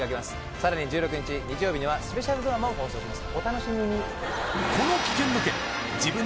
さらに１６日日曜日にはスペシャルドラマを放送します